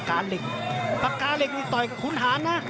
มันมีรายการมวยนัดใหญ่อยู่นัด